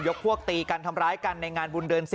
พวกตีกันทำร้ายกันในงานบุญเดือน๔